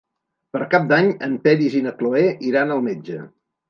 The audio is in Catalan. Per Cap d'Any en Peris i na Cloè iran al metge.